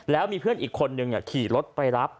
แล้วมีเพื่อนอีกคนนึงขี่รถไปรับ